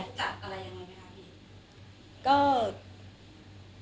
คุณจะทุกจากกับอะไรอย่างเดิมครับพี่